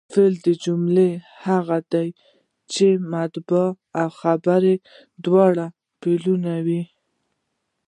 فعلي جمله هغه ده، چي مبتدا او خبر ئې دواړه فعلونه يي.